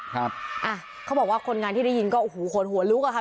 ครับอ่ะเขาบอกว่าคนงานที่ได้ยินก็โอ้โหคนหัวลุกอะค่ะ